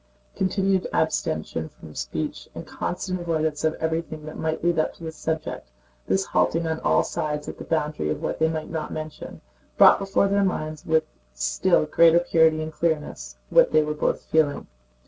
Continued abstention from speech, and constant avoidance of everything that might lead up to the subject—this halting on all sides at the boundary of what they might not mention—brought before their minds with still greater purity and clearness what they were both feeling.